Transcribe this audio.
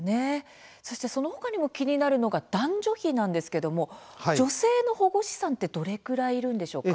その他にも気になるのが男女比なんですが女性の保護司さんはどれくらいいるんでしょうか。